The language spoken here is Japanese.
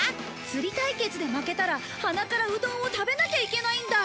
釣り対決で負けたら鼻からうどんを食べなきゃいけないんだ！